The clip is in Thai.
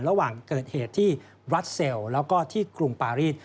ระหว่างเกิดเหตุที่บรัสเซลแล้วก็ที่กรุงปารีส